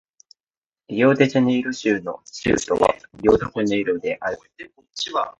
リオデジャネイロ州の州都はリオデジャネイロである